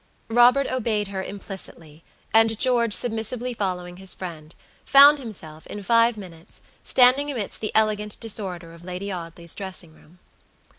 Robert obeyed her implicitly, and George submissively following his friend, found himself, in five minutes, standing amidst the elegant disorder of Lady Audley's dressing room.